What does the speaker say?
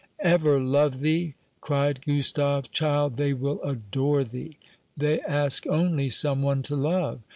"Ever love thee!" cried Gustave. "Child, they will adore thee. They ask only some one to love.